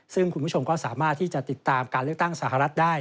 ซึ่งคุณผู้ชมก็สามารถที่จะติดตามการเลือกตั้งสหรัฐได้